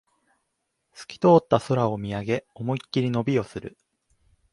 すき通った空を見上げ、思いっきり伸びをする